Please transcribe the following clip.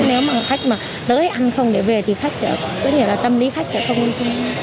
nếu mà khách mà tới ăn không để về thì khách sẽ tức nghĩa là tâm lý khách sẽ không uống